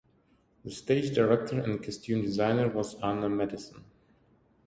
The stage director and costume designer was Anna Matison.